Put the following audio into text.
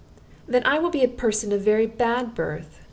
"Then I will be a person of very bad birth.